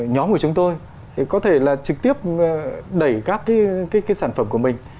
nhóm của chúng tôi có thể là trực tiếp đẩy các cái sản phẩm của mình